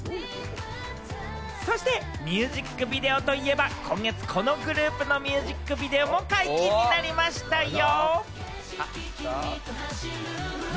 そしてミュージックビデオといえば、今月、このグループのミュージックビデオも解禁になりましたよ。